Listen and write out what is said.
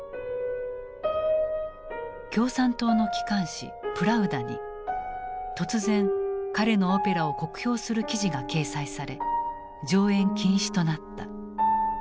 共産党の機関紙「プラウダ」に突然彼のオペラを酷評する記事が掲載され上演禁止となった。